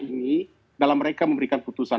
ini dalam mereka memberikan putusan